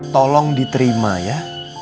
tolong diterima ya